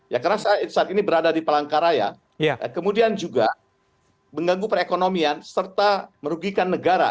ya karena saat ini berada di palangkaraya kemudian juga mengganggu perekonomian serta merugikan negara